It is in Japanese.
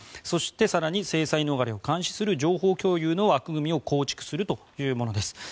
そして更に制裁逃れを監視する情報共有の枠組みを構築するというものです。